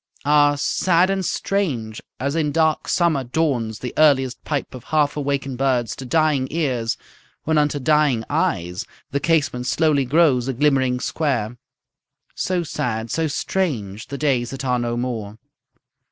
Ah, sad and strange as in dark summer dawns The earliest pipe of half awaken'd birds To dying ears, when unto dying eyes The casement slowly grows a glimmering square; So sad, so strange, the days that are no more.